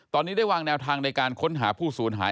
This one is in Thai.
ตอนนี้ได้วางแนวทางในการค้นหาผู้สูญหาย